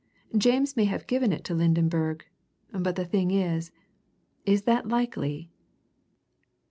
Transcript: James may have given it to Lydenberg. But the thing is is that likely?"